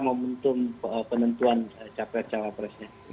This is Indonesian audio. membentuk penentuan capres cawapresnya